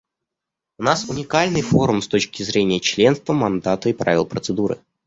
У нас уникальный форум с точки зрения членства, мандата и правил процедуры.